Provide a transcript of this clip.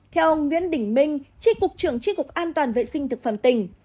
theo ông nguyễn đỉnh minh trị cục trưởng trị cục an toàn vệ sinh thực phẩm tỉnh